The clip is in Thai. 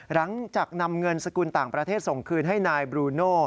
หลังจากนำเงินสกุลต่างประเทศส่งคืนให้นายบรูโน